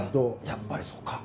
やっぱりそうか。